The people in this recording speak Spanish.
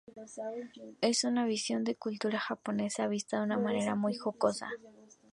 Es una visión de la cultura japonesa, vista de una manera muy jocosa.